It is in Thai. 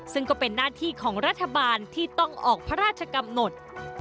ซึ่งก็เป็นหน้าที่ของรัฐบาลที่ต้องออกพระราชกำหนด